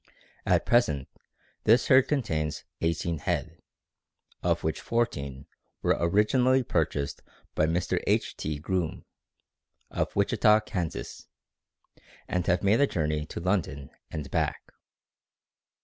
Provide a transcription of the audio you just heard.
At present this herd contains eighteen head, of which fourteen were originally purchased of Mr. H. T. Groome, of Wichita, Kansas, and have made a journey to London and back.